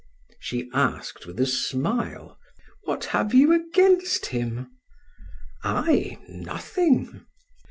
She asked with a smile: "What have you against him?" "I? Nothing!"